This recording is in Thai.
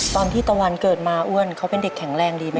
ตะวันเกิดมาอ้วนเขาเป็นเด็กแข็งแรงดีไหม